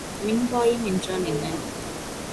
மின்பாயம் என்றால் என்ன?